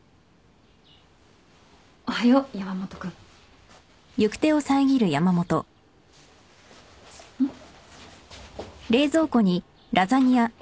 おはよう山本君。んっ？